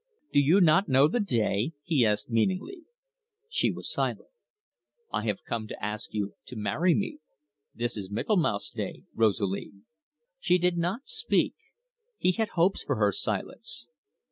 Do you not know the day?" he asked meaningly. She was silent. "I have come to ask you to marry me this is Michaelmas day, Rosalie." She did not speak. He had hopes from her silence.